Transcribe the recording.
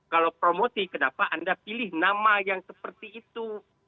kalau promosi kenapa anda pilih nama yang seperti itu